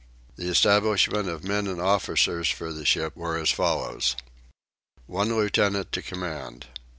The establishment of men and officers for the ship were as follows: 1 Lieutenant to command.